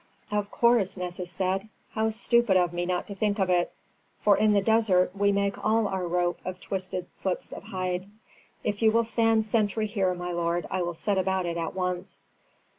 "Of course," Nessus said. "How stupid of me not to think of it, for in the desert we make all our rope of twisted slips of hide. If you will stand sentry here, my lord, I will set about it at once."